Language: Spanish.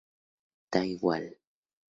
Da igual".